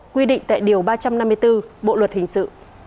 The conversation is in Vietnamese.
quy định tại điều ba trăm năm mươi bốn bộ luật hình sự